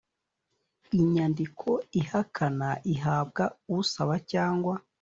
Inyandiko ihakana ihabwa usaba cyangwa